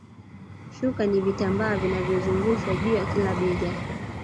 Shuka ni vitambaa vinavyozungushwa juu ya kila bega